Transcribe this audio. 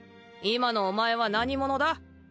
今のお前は何者だ？